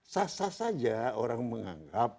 sah sah saja orang menganggap